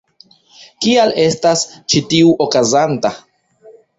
Kial estas ĉi tiu okazanta?